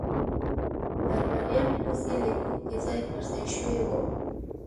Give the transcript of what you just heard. بربریان پوځي لیکو کې ځای پرځای شوي وو.